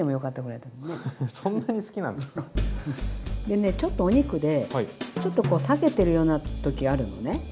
でねちょっとお肉でこう裂けてるようなときあるのね。